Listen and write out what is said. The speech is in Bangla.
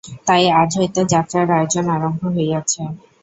তাই আজ হইতে যাত্রার আয়োজন আরম্ভ হইয়াছে।